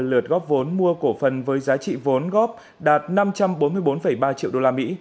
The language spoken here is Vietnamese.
hai trăm bảy mươi ba lượt góp vốn mua cổ phần với giá trị vốn góp đạt năm trăm bốn mươi bốn ba triệu usd